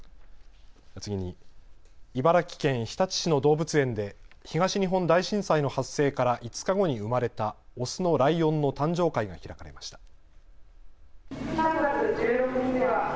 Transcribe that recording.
次に茨城県日立市の動物園で東日本大震災の発生から５日後に生まれたオスのライオンの誕生会が開かれました。